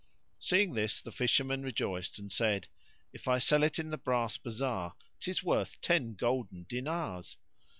Seeing this the Fisherman rejoiced and said, "If I sell it in the brass bazar 'tis worth ten golden dinars."